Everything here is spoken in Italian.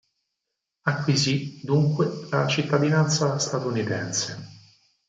Acquisì dunque la cittadinanza statunitense.